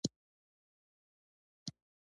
ملګری ته به هېڅکله هم نه وایې